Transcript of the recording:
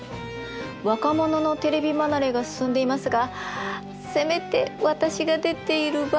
若者のテレビ離れが進んでいますがせめて私が出ている